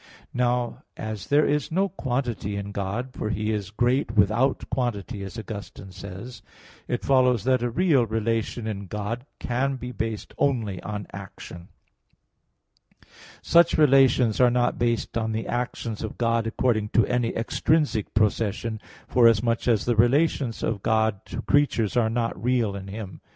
Now as there is no quantity in God, for He is great without quantity, as Augustine says (De Trin. i, 1) it follows that a real relation in God can be based only on action. Such relations are not based on the actions of God according to any extrinsic procession, forasmuch as the relations of God to creatures are not real in Him (Q. 13, A.